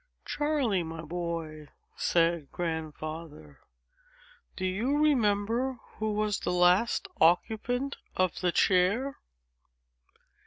Chapter II "Charley, my boy," said Grandfather, "do you remember who was the last occupant of the chair?"